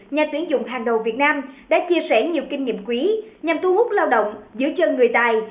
nhà tuyển dụng hàng đầu việt nam đã chia sẻ nhiều kinh nghiệm quý nhằm thu hút lao động giữ chân người tài